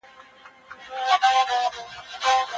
هر څېړونکی به خپله لاره په خپله وټاکي.